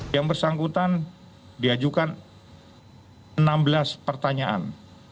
yang bersangkutan diajukan enam belas pertanyaan